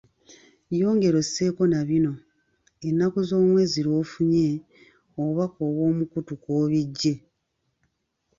Yongera osseeko na bino; ennaku z’omwezi lw’ofunye obubaka obwo n'omukutu kw’obiggye.